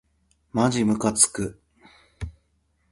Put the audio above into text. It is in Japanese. まじむかつく